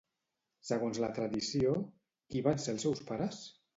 Segons la tradició, qui van ser els seus pares?